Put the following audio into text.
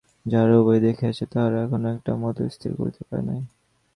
যাহারা উভয়ই দেখিয়াছে, তাহারা এখনো একটা মত স্থির করিতে পারে নাই।